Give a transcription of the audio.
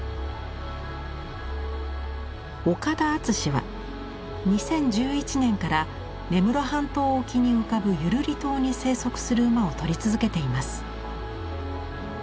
岡田敦は２０１１年から根室半島沖に浮かぶユルリ島に生息する馬を撮り続けています。